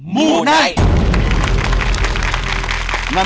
มูไหน